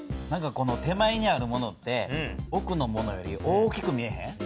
手前にあるものって奥のものより大きく見えへん？